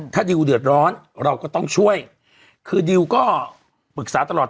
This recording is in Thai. ถ้าดิวเดือดร้อนเราก็ต้องช่วยคือดิวก็ปรึกษาตลอด